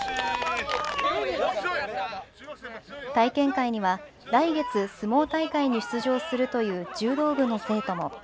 体験会には来月、相撲大会に出場するという柔道部の生徒も。